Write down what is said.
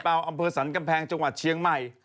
ต้นเปล่าอำเภอสรรคปแพงจังหวัดเชียงใหม่